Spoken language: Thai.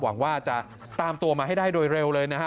หวังว่าจะตามตัวมาให้ได้โดยเร็วเลยนะฮะ